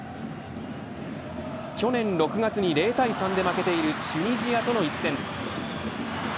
去年６月に０対３で負けているチュニジアとの一戦。